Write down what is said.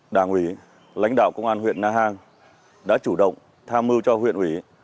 đảng ủy lãnh đạo công an huyện na hàng đã chủ động tham mưu cho huyện ủy